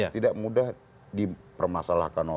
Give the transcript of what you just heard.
tidak mudah dipermasalahkan orang